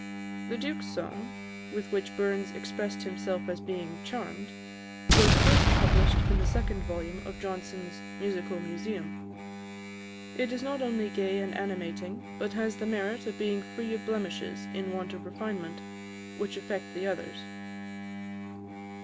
The Duke's song, with which Burns expressed himself as being "charmed," was first published in the second volume of Johnson's "Musical Museum." It is not only gay and animating, but has the merit of being free of blemishes in want of refinement, which affect the others.